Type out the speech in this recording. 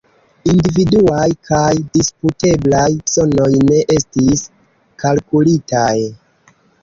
Individuaj kaj disputeblaj sonoj ne estis kalkulitaj.